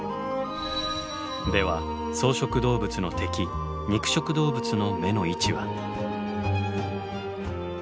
では草食動物の敵肉食動物の目の位置は？